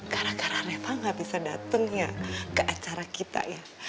gara gara reta gak bisa dateng ya ke acara kita ya